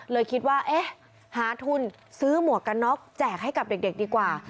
เลยคิดว่าเอ๊ะหาทุนซื้อหมวกกันน็อกแจกให้กับเด็กดีกว่า